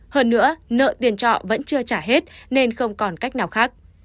hơn nữa nợ tiền trọ vẫn chưa trả hết nên không còn cách nào khác